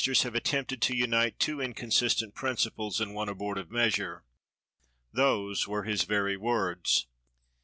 126 MACAULAY have attempted to unite two inconsistent prin ciples in one abortive measure. Those were his very words.